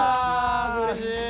うれしい！